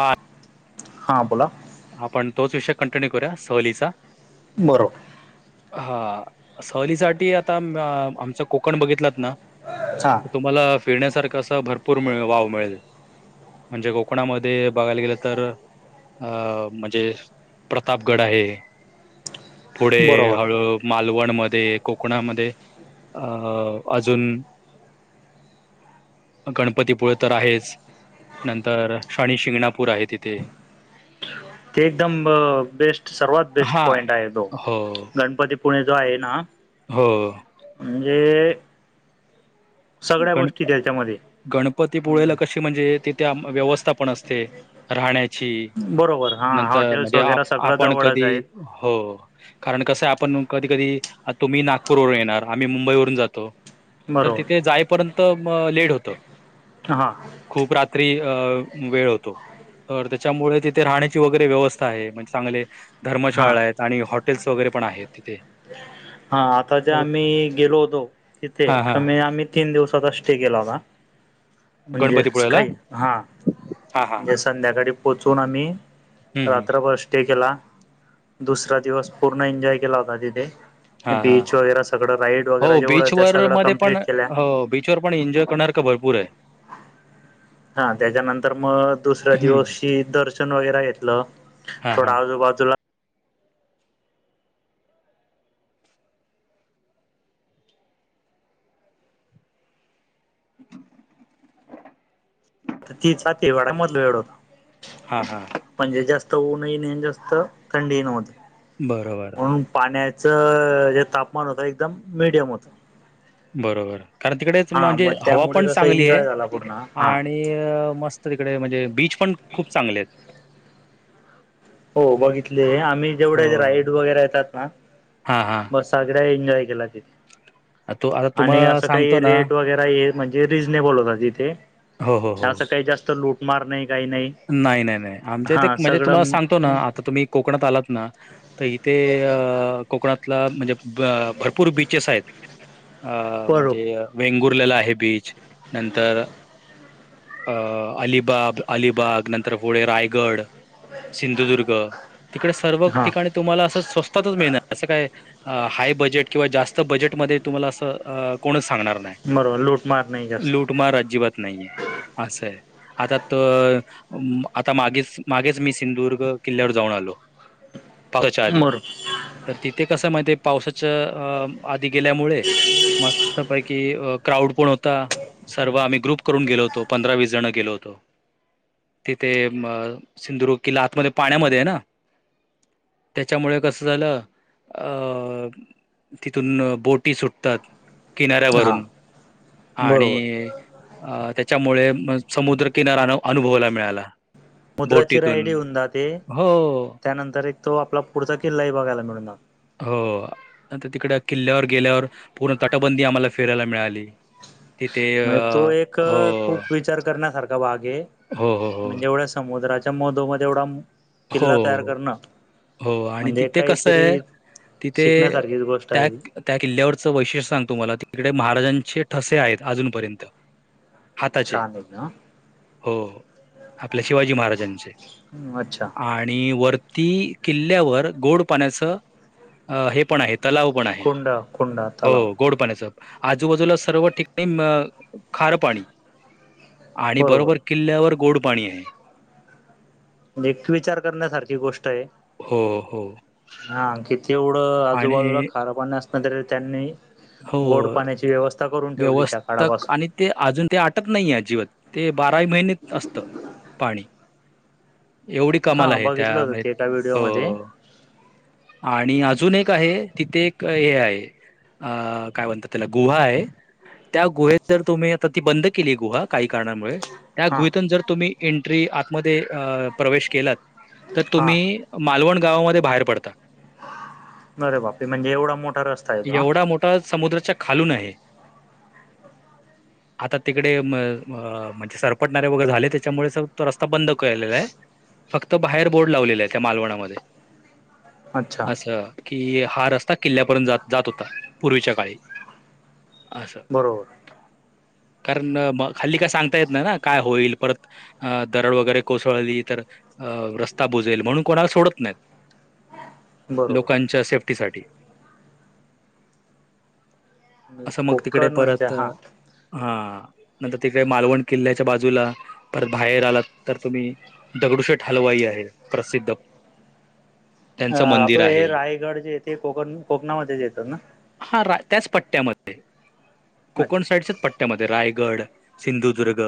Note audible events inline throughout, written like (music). आठ हां बोला आपण तोच विषय कंटिन्यू करूया सहलीचा. बरोबर हां सहलीसाठी आता आमचा कोकण बघितलात ना. हां तुम्हाला फिरण्यासारख अस भरपूर मिळेल वाव मिळेल. म्हणजे कोकणामध्ये बघायला गेल तर. अ म्हणजे प्रतापगड आहे पुढे बरोबर हळू मालवणमध्ये, कोकणामध्ये अ अजून गणपतीपुळे तर आहेच. नंतर शणी शिंगणापूर आहे तिथे. ते एकदम बेस्ट सर्वात बेस्ट हा पॉईंट आहे तो हो गणपती पुळे जो आहे ना. हो म्हणजे सगळ्या गण गोष्टी त्याच्यामध्ये. गणपतीपुळेला कशी म्हणजे तिथे व्यवस्था पण असते राहण्याची. बरोबर हा नंतर हॉटेल्स जेव्हा वगैरे सगळं आपण जवळच कधी आहेत हो. कारण कसय आपण कधी कधी तुम्ही नागपूरवरून येणार, आम्ही मुंबईवरून जातो. बरोबर ते जाईपर्यंत मग लेट होत. हां खूप रात्री अ वेळ होतो. तर त्याच्यामुळे तिथे राहण्याची वगैरे व्यवस्था आहे म्हणजे चांगले. हां धर्मशाळा आहेत आणि हॉटेल्स वगैरे पण आहेत तिथे. हा आता जे तर आम्हीं गेलो होतो, तिथे हा हा कमी आम्हीं तीन दिवसचा स्टे केला होता. म्हणजे जसं गणपतीपुळेला काही हा हा म्हणजे संध्याकाळी पोहोचून आम्हीं हम्म हम्म रात्रभर स्टे केला, दुसरा दिवस पूर्ण एन्जॉय केला होता तिथे. हा हा बीच वगैरे, सगळं राईड वगैरे, हो जेवढं त्या बीचवर सगळं मध्ये पण कंप्लीट केल्या, हो बीचवर पण एनजॉय करण्यासारखं भरपूर आहे. हा त्याच्यानंतर मग दुसऱ्या हम्म. दिवसशी दर्शन वगैरा घेतलं. हा थोडं हा आजूबाजूला (unintelligible) तर ती छाती तेवाडामधलं वेड होतं. हा, हा... म्हणजे जास्त ऊन ही नाही आणि जास्त थंडीही नव्हती. बरोबर. म्हणून पाण्याचं जे तापमान होतं, एकदम मिडियम होतं. बरोबर कारण तिकडेच हा मग म्हणजे हवा त्यामुळे पण कसं चांगली एन्जॉय आहे झाला पूर्ण हा. आणि नी मस्त तिकडे म्हणजे बीच पण खूप चांगले आहेत. हो बघितले, आम्ही जेवढे राईड हो वगैरे येतात ना, हा हा बस सगळ्या एन्जॉय केला तिथे तो आता आणि तुम्हाला असं काही सांगतो ना रेट वगैरा ये म्हणजे रिजनेबल होता तिथे, हो हो हो असं काही जास्त लूटमार नाही, काही नाही. नाही, नाही, नाही आमच्या इथे हा म्हणजे तुम्हाला सगळं सांगतो ना, आता तुम्ही कोकणात आलात ना तर इथे अ कोकणातला म्हणजे भरपूर बीचेस आहेत. अ म्हणजे बरोबर वेंगुर्लेला आहे बीच, नंतर अ अलिबाब, अलि बाग नंतर पुढे रायगड, सिंधुदुर्ग तिकडे सर्व हा ठिकाणी तुम्हांला असं स्वस्तातच मिळणार असं काय हाय बजेट किंवा जास्त बजेटमध्ये तुम्हांला असं कोणच सांगणार नाही. बरोबर लूटमार नाही जास्त लूटमार अजिबात नाहीये असंय आता तर आता मागेच -मागेच मी सिंधुदुर्ग किल्ल्यावर जाऊन आलो. पावसाच्या आधी, बरोबर तर तिथे कसं माहिती आहे पावसाच्या अ आधी गेल्यामुळे मस्त पैकी क्राऊड पण होता, सर्व आम्ही ग्रुप करून गेलोतो, पंधरा-वीस जण गेलो होतो. तिथे सिंधुदुर्ग किल्ला आतमध्ये, पाण्यामध्ये आहे ना, त्याच्यामुळे कसं झालं अं.. तिथून बोट टी सुटतात हा किनाऱ्यावरून बरोबर आणि अं त्याच्यामुळे समुद्रकिनारा अनुभवायला मिळाला. समुद्राची राईय बोटीतून ही होऊन जाते, हो त्यानंतर एक तो आपला पुढचा किल्लाही बघायला मिळून हो आता तिकडं किल्ल्यावर गेल्यावर पूर्ण तटबंदी आम्हांला फिरायला मिळाली. तिथे म्हणजे तो अ एक हो खूप विचार करण्यासारखा भाग ये, हो, हो, म्हणजे एवढं समुद्राच्या मधो- मध एवढा हो, किल्ला तयार हो, करणं, हो आणि म्हणजे तिथे कसं आहे काहीतरी तिथे शिकण्यासारखीच गोष्ट त्या आहे ती त्या किल्ल्यावरचं वैशिष्ट्य सांगतो तुम्हांला, तिकडे महाराजांचे ठसे आहेत अजूनपर्यंत. हाताचे छान आहे हो आपल्या शिवाजी महाराजांचे. अच्छा. आणि वरती किल्ल्यावर गोड पाण्याचं अ हे पण आहे तलाव पण आहे. कोंडा कोंडा हो तलाव गोड पाण्याचं व आजूबाजूला सर्व ठिकाणी म खार पाणी आणि बरोबर किल्ल्यावर गोड पाणी आहे. म्हणजे एक विचार करण्यासारखी गोष्ट आहे. हो हो. हा किती एवढं आजूबाजूला आणि खार पाणी असल तरी त्यांनी गोड हो पाण्याची व्यवस्था करून ठेवली त्या व्यवस्थक काळापासून. आणि ते अजून ते आटत नाही अजिबात. ते बाराही महिने असतं पाणी. एवढी कमाल हा आहे त्या बघितलं होत मध्ये ते एका अ. व्हिडिओमध्ये आणि अजून एक आहे तिथे एक हे आहे. अ काय म्हणतात त्याला गुहा आहे. त्या गुहे जर तुम्ही आता ती बंद केली गुहा काही कारणामुळे. त्या हा गुहेतून जर तुम्ही एंट्री आतमध्ये प्रवेश केलात तर हा तुम्ही, मालवण गावामध्ये बाहेर पडतात. अरे बापरे, म्हणजे एवढा मोठा रस्ता आहे का. एवढा समुद्राच्या खालून आहे. आता तिकडे म म्हणजे सरपटणारे वगैरे झाले. त्याच्यामुळे तो रस्ता बंद केलेला आहे. फक्त बाहेर बोर्ड लावलेला आहे. त्या मालवणामध्ये अच्छा असं कि हा रस्ता किल्ल्यापर्यंत जात जात होता. पूर्वीच्या काळी असं. बरोबर. कारण म हल्ली काय सांगता येत नाही ना. काय होईल परत अ दरड वगैरे कोसळली तर अ रस्ता बुजेल, म्हणून कोणाला सोडत नाहीत. बरोबर लोकांच्या सेफ्टी साठी असं मग तिकडे कोकण म्हणजे परत हा हा नंतर तिकडे मालवण किल्ल्याच्या बाजूला परत बाहेर आलात तर तुम्ही, दगडूशेठ हलवाई आहे प्रसिद्ध. अ त्यांचं मंदिर आपलं हे आहे. रायगड जे ते कोकण कोकणामध्येच येतात ना. हा रा त्याच पट्ट्यामध्ये कोकण अच्छा साईडच्याच पट्ट्या त्यामध्ये रायगड, सिंधुदुर्ग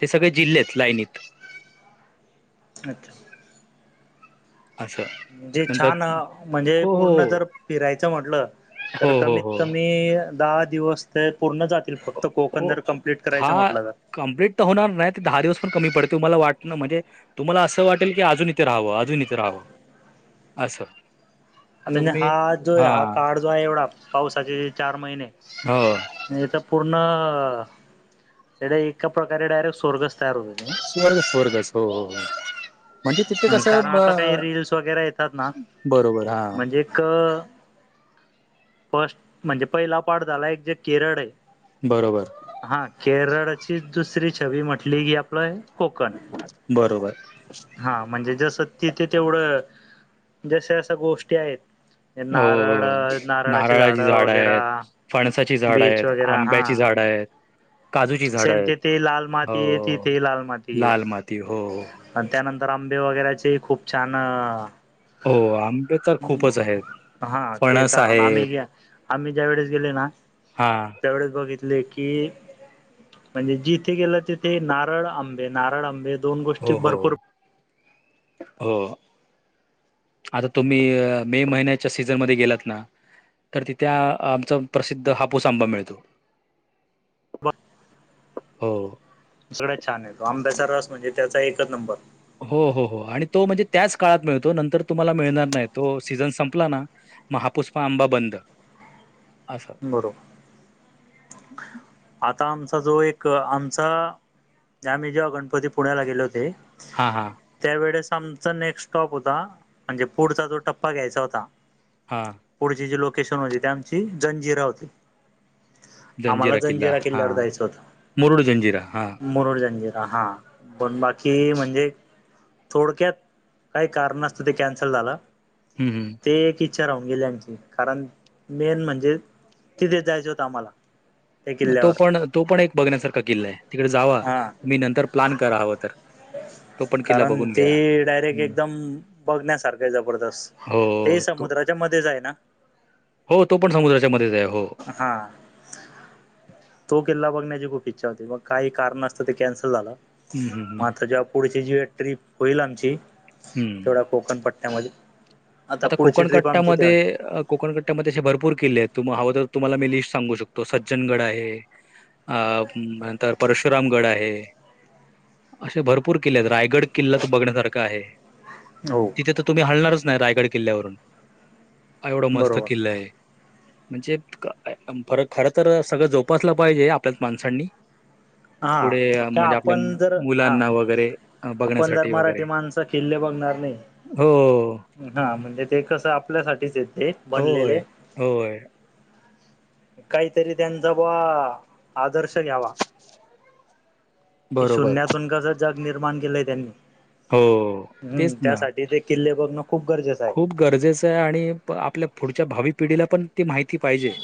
ते सगळे जिल्हे आहेत लाईनीत. अच्छा. अस. म्हणजे छान म्हणजे पूर्ण तर फिरायचं म्हटलं, तर हो हो कमीत हो कमी दहा दिवस तर पूर्ण जातील फक्त कोकण हो जर कम्प्लीट हा करायचं म्हटलं तर, कंप्लीट तर होणार नाही ते दहा दिवस पण कमी पडतील मला वाटल म्हणजे तुम्हाला असं वाटेल की अजून इथे रहावं अजून इथे रहावं असं. आता म्हणजे तुम्ही हा जो आहे हा काळ जो आहे एवढा पावसाचे चार महिने हो इथ पूर्ण एका प्रकारे डायरेक्ट स्वर्गच तयार होत ते. स्वर्गच स्वर्गच हो. म्हणजे तिथे ते कारण कसं ब आता काही रील्स बरोबर हा. फस्ट फस्ट म्हणजे पहिला पाठ झाला एक जे केरळ आहे. बरोबर बरोबर. हा केरळची दुसरी छवी म्हटली की आपलं- कोकण. बरोबर‌. हा म्हणजे जसं तिथे तेवढं जश अश्या गोष्टी आहेत, अ नारळ, नारळाची झाड, वगैरे. फणसाची झाडं बीच आहेत, वगैरे हा आंब्याची झाडं आहेत. काजूची झाडं सेम आहेत, तिथे लाल माती आहे हो तिथे लाल माती आहे. लाल माती हो- आणि त्यानंतर आंबे वगैरेचे खूप छान- हो हो, आंबे तर हम् खूपच आहेत हा ते फणस कारण आम्ही आहेत घ्या आम्ही ज्या वेळेस गेले ना- हा त्यावेळेस बघितले की- म्हणजे जिथे गेलं तिथे नारळ आंबे नारळ आंबे- दोन गोष्टी हो, हो, भरपूर हो, हो. आता तुम्ही मे महिन्याच्या सीझनमध्येध्ये गेलात ना- तर तिथे आमचा प्रसिद्ध हापूस आंबा मिळतो. हो. सगळंच छान आहे अंब्याचा रस म्हणजे त्याचा एकच नंबर. हो हो हो आणि तो म्हणजे त्याच काळात मिळतो, नंतर तुम्हाला मिळणार नाही तो सीझन संपला ना- म हापुस आंबा बंद असं. बर आता आमचा जो एक आमचा आम्ही जेव्हा गणपती पुळ्याला गेले होते. हा हा. त्या वेळेस आमचा नेक्स्ट स्टॉप होता, म्हणजे पुढचा जो टप्पा घ्यायचा होता- हां पुढची जी लोकेशन होती ते आमची जंजिरा होती. आम्हाला जंजिरा किल्ला हा किल्ल्यावर जायचं होतं मुरड जंजिरा हा. मुरुड जंजिरा हा पण बाकी म्हणजे थोडक्यात काही कारण असतं ते कॅन्सल झालं. हम् हम् ते एक इच्छा राहून गेली आमची कारण मेन म्हणजे तिथे जायचं होतं आम्हाला. त्या तो किल्ल्यावर पण, तो पण एक बघण्यासारखा किल्ला आहे तिकडे जावा हा तुम्ही नंतर प्लॅन करा हवं तर. तो पण किल्ला कारण बघून ते घ्या डायरेक्ट हं. एकदम बघण्यासारख जबरदस्त ते हो तो समुद्रा- त्याध्ये जा आहे ना हो तो पण समुद्राच्या मध्येच आहे हो. हां तो किल्ला बघण्याची खूप इच्छा होती मग काही कारण असतं ते कॅन्सल झालं. हम्म म हम्म आता जेव्हा पुढची जेव्हा ट्रिप होईल आमची हम्म तेवढा कोकणपट्ट्यामध्ये आता कोकण कट्टामध्ये कोकणकट्ट्यामध्येध्ये असे भरपूर किले आहेत तुम्हाला हवं तर तुम्हाला मी लिस्ट सांगू शकतो, सज्जनगड आहे. अ नंतर परशुराम गड आहे. असे भरपूर किल्ले आहेत रायगड किल्लाच बघण्यासारखं आहे. हो तिथे तर तुम्ही हालणारच नाही रायगड किल्ल्यावरून एवढा मस्त बरोबर किल्ल आहे. म्हणजे फर खर तर सगळं जोपासलं पाहिजे आपल्याच माणसांनी. पुढे हा का म्हणजे आपल्या आपण जर हा मुलांना वगैरे आपण जर बघण्यासाठी मराठी वगैरे. माणसं किल्ले बघणार नाही. हो हा म्हणजे ते कसं आपल्यासाठीच आहेत ते होय बनलेले. होय काहीतरी त्यांचा बा आदर्श घ्यावा. कि बरोबर शून्यातून कस जग निर्माण केलंय त्यांनी, हो हम्म तेच ना त्यासाठी ते कल्ले बघण खूप गरजेच हाय. खूप गरजेचं आहे आणि आपल्या पुढच्या भावी पिढीला पण ती माहिती पाहिजे.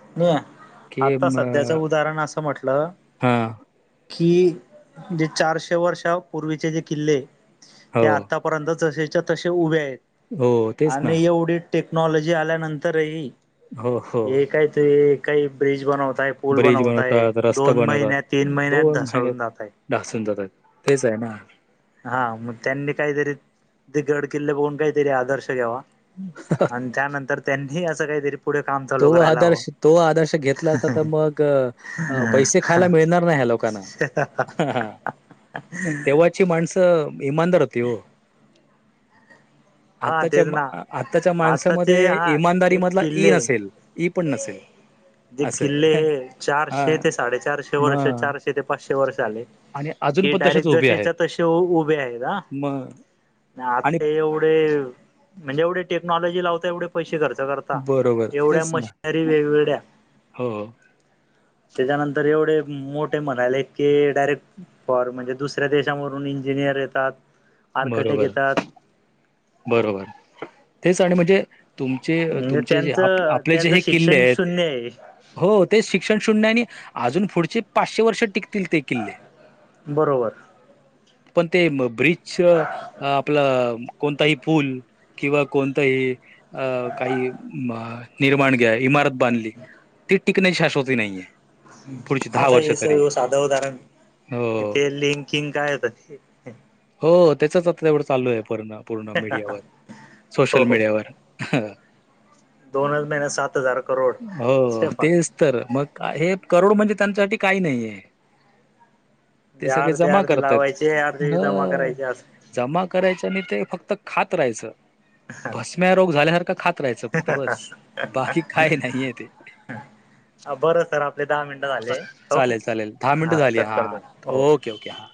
(inaudible) कि आता सध्याच उदाहरण असं म्हटलं हा कि जे चारशे वर्षा पूर्वीचे जे किल्ले हो ते आता पर्यंत जसेच्या तसे उभे आहेत हो तेच ना आणि एवढी टेक्नॉलॉजी आल्यानंतरही हो हो एक का आहे (inaudible) काही ब्रिज बनवताय. पूल ब्रिज बनवताय बनवतात रस्ता दोन महिन्यात तीन महिन्यात ढासळून जातय. ढासळून जातात, तेच आहे ना. हा मग त्यांनी काहीतरी ते गड किल्ले बघून काहीतरी आदर्श घ्यावा. (unintelligible) आणि त्यानंतर त्यांनीही असं काहीतरी पुढे काम चालू तो करायला हवं आदर्श तो आदर्श घेतला असता तर मग पैसे खायला मिळणार नाही ह्या लोक हा हा हा तेव्हाची माणसं इमानदार होती ओ. हा आत्ताच्या तेच ना आत्ताच्या आता ते माणसामध्ये हा इमानदारी जे मधला ई किल्ले नसेल ई पण नसेल. जे असं आहे. किल्ले हे चारशे हां, ते साडेचारशे वर्ष, मग चारशे ते पाचशे वर्ष झाले. आणि अजून कि पण तसेच डायरेक्ट उभे आहेत. जशच्या तसे उभे आहेत ना, मग आणि आता एवढ म्हणजे जेवढे टेक्नॉलॉजी (inaudible) पैसेे खर्च करता बरोबर एवढ्या तेच ना. मशिनरी वेगवेगळ्या हो हो त्याच्यानंतर एवढे मोठे म्हणाले की डायरेक्ट फॉर म्हणजे दुसऱ्या देशावरून इंजिनियर येतात. आर्कटेक्ट बरोबर येतात बरोबर तेच आणि म्हणजे तुम चे म्हणजे तुमचे ज त्यांचं आपले जे त्यांचं हे किल्ले शिक्षण आहेत. शून्य आहे हो तेच शिक्षण शून्य आणि अजून पुढचे पाचशे वर्ष टिकतील ते किल्ले बरोबर पण ते ब्रिज च आपलं कोणताही पुल किंवा कोणतही अ काही निर्माण घ्या इमारत बांधली ती टिकण्याची शास्वती नाहीये. पुढची दहा आता वर्ष हे स तरी साधं उदाहरण हो इथे लिं किंग काय होता ते हो त्याचच आता तेवढं चालू आहे पूर्ण पूर्ण मीडियावर हो सोशल हो मीडियावर. दोनच महिन्यात सात हजार करोड हो तेच तर मग हे करोड म्हणजे त्यांच्यासाठी काही नाही आहे. ते म्हणजे सगळे अर्धे जमा अर्धे करत्यात लावायचे अर्धे जमा करायचे असं (inaudible) जमा करायच नि ते फक्त खात राहायचं भस्म्या रोग झाल्यासारखं खात राहायचं फक्त बस बाकी काय नाहीय ते. बरं सर आपले दहा मिनटं झाले हो चालेल चालेल दहा मिनिटं हा झाली कट करतो. हो ओके ओके हां